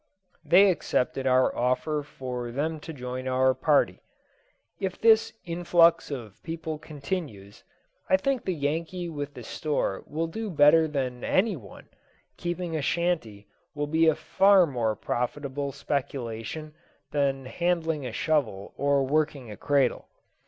They accepted our offer for them to join our party. If this influx of people continues, I think the Yankee with the store will do better than any one; and keeping a shanty will be a far more profitable speculation than handling a shovel or working a cradle.